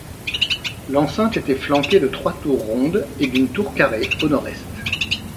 L'enceinte était flanquée de trois tours rondes et d'une tour carrée au nord est.